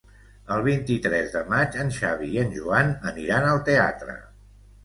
El vint-i-tres de maig en Xavi i en Joan aniran al teatre.